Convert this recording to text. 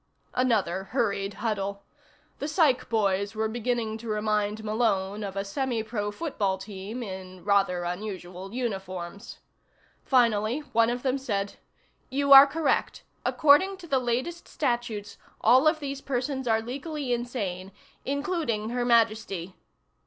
Another hurried huddle. The psych boys were beginning to remind Malone of a semi pro football team in rather unusual uniforms. Finally one of them said: "You are correct. According to the latest statutes, all of these persons are legally insane including Her Majesty."